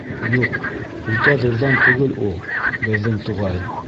Юҡ, үтә ҙурҙан түгел ул, беҙҙең туғай.